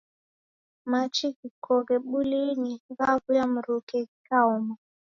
Machi ghikoghe bulinyi ghaw'uya mruke ghikaoma.